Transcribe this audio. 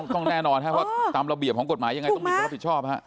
ต้องแน่นอนให้ว่าตามระเบียบของกฎหมายยังไงต้องรับผิดชอบ